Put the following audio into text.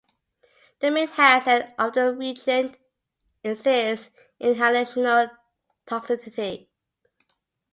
The main hazard of the reagent is its inhalational toxicity.